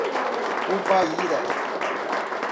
Ubaíra